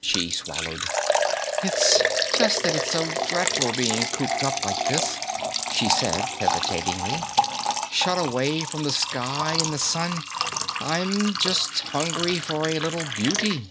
She swallowed. "It's just that it's so dreadful being cooped up like this," she said hesitatingly, "shut away from the sky and the Sun. I'm just hungry for a little beauty."